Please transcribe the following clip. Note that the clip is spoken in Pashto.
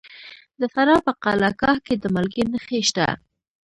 د فراه په قلعه کاه کې د مالګې نښې شته.